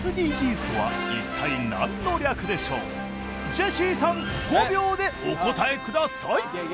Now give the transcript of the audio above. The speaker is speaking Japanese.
ジェシーさん５秒でお答え下さい。